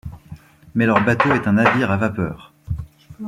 Mais leur bateau est un navire à vapeur.